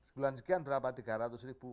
sebulan sekian berapa tiga ratus ribu